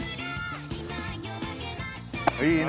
いいね！